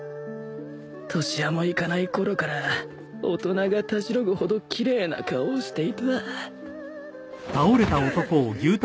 年端もいかないころから大人がたじろぐほど奇麗な顔をしていたうっ！